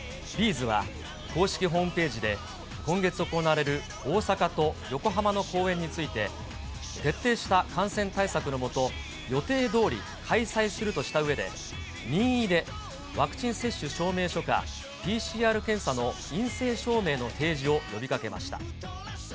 ’ｚは公式ホームページで、今月行われる大阪と横浜の公演について、徹底した感染対策のもと、予定どおり開催するとしたうえで、任意でワクチン接種証明書かＰＣＲ検査の陰性証明の提示を呼びかけました。